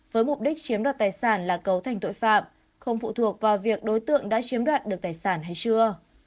với mục đích chiếm đoạt tài sản là cấu thành tội phạm không phụ thuộc vào việc đối tượng đã chiếm đoạt được tài sản hay chưa